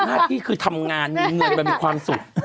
หน้าที่คือทำงานมีเงินมันมีความสุข